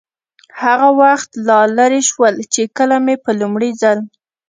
هغه وخت لا لرې شول، چې کله مې په لومړي ځل.